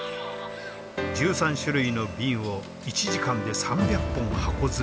１３種類の瓶を１時間で３００本箱詰めできる。